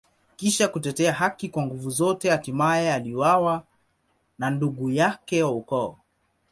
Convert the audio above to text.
Kisha kutetea haki kwa nguvu zote, hatimaye aliuawa na ndugu yake wa ukoo.